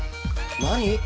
何？